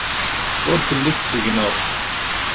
Ur telliḍ seg-neɣ.